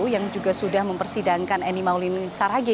yang juga sudah mempersidangkan eni mauline saragi